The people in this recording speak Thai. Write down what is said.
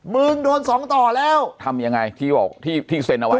มึงโดน๒ต่อแล้วทำยังไงที่เซ็นเอาไว้